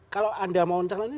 kalau anda mau mencalon